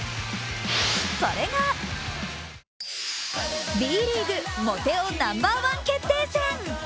それがＢリーグモテ男ナンバーワン決定戦。